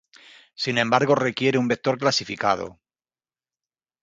Sin embargo, requiere un vector clasificado.